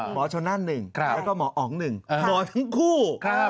หมอชนนั่น๑แล้วก็หมออ๋อง๑หมอทั้งคู่